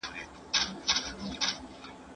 زه اوس مځکي ته ګورم!.